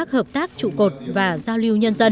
hợp tác trụ cột và giao lưu nhân dân